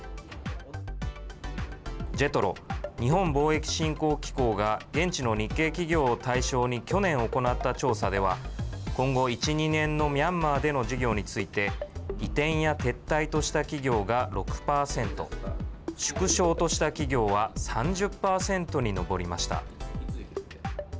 ＪＥＴＲＯ＝日本貿易振興機構が現地の日系企業を対象に去年行った調査では今後１、２年のミャンマーでの事業について移転や撤退とした企業が６％縮小とした企業は３０％に上りました。